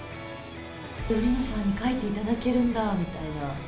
売野さんに書いていただけるんだみたいな。